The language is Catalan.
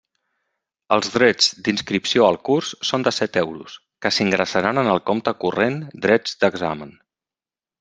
Els drets d'inscripció al curs són de set euros, que s'ingressaran en el compte corrent drets d'examen.